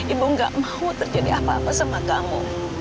ibu gak mau terjadi apa apa sama kamu